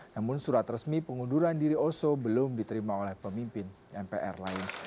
namun surat resmi pengunduran diri oso belum diterima oleh pemimpin mpr lain